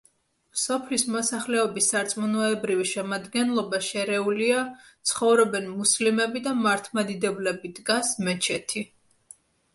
სოფლის მოსახლეობის სარწმუნოებრივი შემადგენლობა შერეულია, ცხოვრობენ მუსლიმები და მართლმადიდებლები, დგას მეჩეთი.